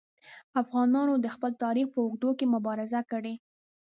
افغانانو د خپل تاریخ په اوږدو کې مبارزې کړي.